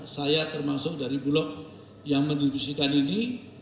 saya termasuk dari blok yang mendidikkan ini